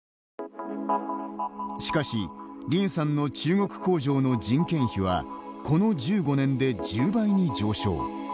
しかし、林さんの中国工場の人件費はこの１５年で１０倍に上昇。